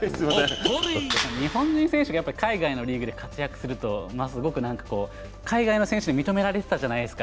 日本人選手が海外のリーグで活躍するとすごく海外の選手に認められてたじゃないですか。